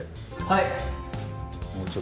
はい。